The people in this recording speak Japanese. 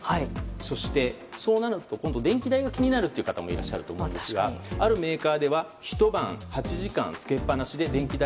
そして、そうなると電気代が気になる方もいらっしゃると思うんですがあるメーカーではひと晩、８時間つけっぱなしで電気代